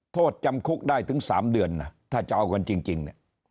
โทษจำคุกได้ถึง๓เดือนนะถ้าจะเอากันจริงเนี่ย